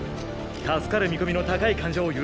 助かる見込みの高い患者を優先すべきだ。